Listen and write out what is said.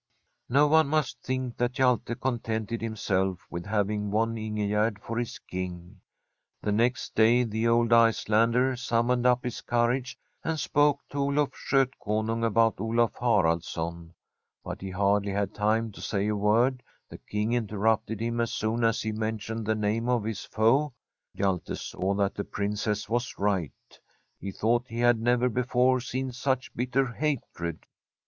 No one must think that Hjalte contented him self with having won Ingegerd for his Kine. The next day the old Icelander summoned up his courage and spoke to Oluf Skotkonung about Olaf Haraldsson. But he hardly had time to say a word ; the King interrupted him as soon as he mentioned the name of his foe. Hjalte saw (179I From a SfFEDISH HOMESTEAD that the Princess was right. He thought he had never before seen such bitter hatred.